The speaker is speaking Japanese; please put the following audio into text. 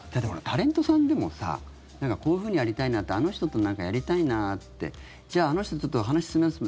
タレントさんでもさこういうふうにやりたいなあの人と、なんかやりたいなってじゃあ、あの人と話進めます。